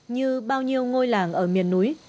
như bao nhiêu ngôi làng ở miền núi